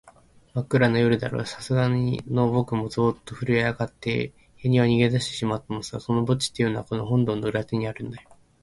まっくらな夜だろう、さすがのぼくもゾーッとふるえあがって、やにわに逃げだしてしまったのさ。その墓地っていうのは、この本堂の裏手にあるんだよ。